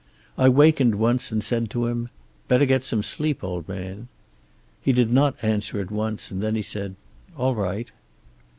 I wakened once and said to him, 'Better get some sleep, old man.' He did not answer at once, and then he said, 'All right.'